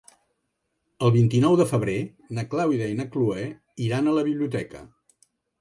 El vint-i-nou de febrer na Clàudia i na Cloè iran a la biblioteca.